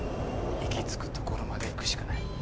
行きつくところまで行くしかない。